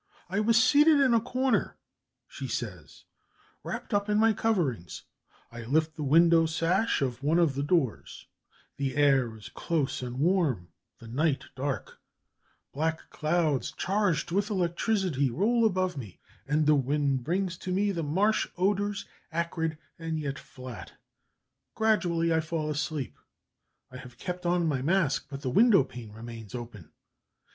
"I was seated in a corner," she says, "wrapped up in my coverings; I lift the window sash of one of the doors; the air is close and warm, the night dark; black clouds, charged with electricity, roll above me, and the wind brings to me the marsh odours acrid and yet flat.... Gradually I fall asleep; I have kept on my mask, but the window pane remains open....